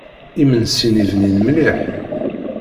Imensi-nni bnin mliḥ.